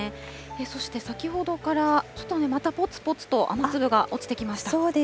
そして先ほどから、ちょっとまたぽつぽつと雨粒が落ちてきました。